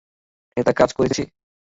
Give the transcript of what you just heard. এটা কাজ করেছে!